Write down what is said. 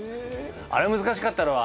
あれ難しかったろう？